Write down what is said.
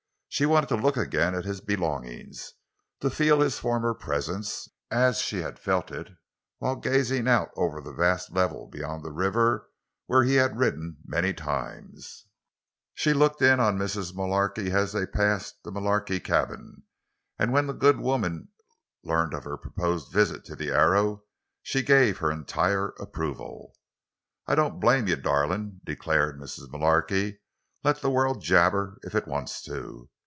She wanted to look again at his belongings, to feel his former presence—as she had felt it while gazing out over the vast level beyond the river, where he had ridden many times. She looked in on Mrs. Mullarky as they passed the Mullarky cabin, and when the good woman learned of her proposed visit to the Arrow, she gave her entire approval. "I don't blame you, darlin'," declared Mrs. Mullarky. "Let the world jabber—if it wants to.